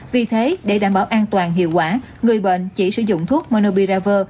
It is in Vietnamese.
vì thế để đảm bảo an toàn hiệu quả người bệnh chỉ sử dụng thuốc monobiraver